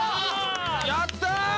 やったー！